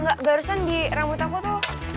enggak gak harusnya di rambut aku tuh